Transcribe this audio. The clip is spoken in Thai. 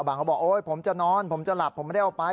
เขาบอกโอ๊ยผมจะนอนผมจะหลับผมไม่ได้เอาไป